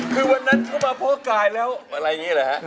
คือวันนั้นเข้ามาพ่อกายแล้วอะไรอย่างนี้เหรอฮะ